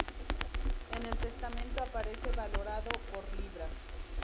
En el testamento aparece valorado por libras.